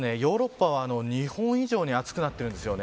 実はヨーロッパは日本以上に暑くなっているんです。